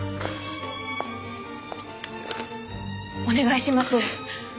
お願いします。